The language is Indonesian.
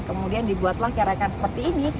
kemudian dibuatlah carakan seperti ini